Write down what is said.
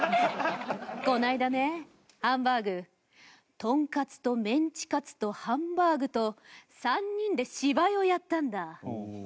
この間ねハンバーグとんかつとメンチカツとハンバーグと３人で芝居をやったんだ。